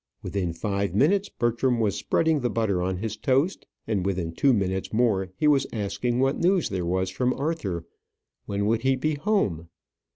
Within five minutes Bertram was spreading the butter on his toast; and within two minutes more he was asking what news there was from Arthur when would he be home?